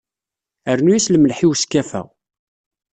Rnu-yas lemleḥ i weskaf-a.